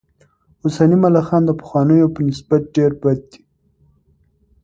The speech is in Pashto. اوسني ملخان د پخوانیو په نسبت ډېر بد دي.